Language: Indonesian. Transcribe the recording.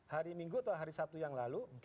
hari minggu atau hari sabtu yang lalu